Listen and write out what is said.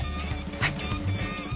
はい。